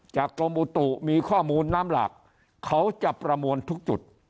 กรมอุตุมีข้อมูลน้ำหลากเขาจะประมวลทุกจุด